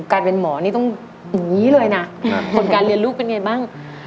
การเป็นหมอนี่ต้องอย่างนี้เลยนะผลการเรียนลูกเป็นไงบ้าง